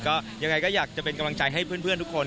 ก็ยังไงก็อยากจะเป็นกำลังใจให้เพื่อนทุกคน